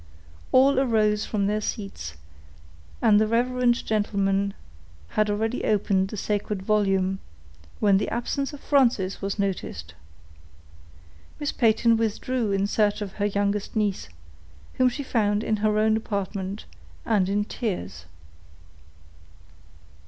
All arose from their seats, and the reverend gentleman had already opened the sacred volume, when the absence of Frances was noticed! Miss Peyton withdrew in search of her youngest niece, whom she found in her own apartment, and in tears.